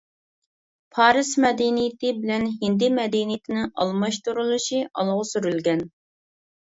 پارس مەدەنىيىتى بىلەن ھىندى مەدەنىيىتىنىڭ ئالماشتۇرۇلۇشى ئالغا سۈرۈلگەن.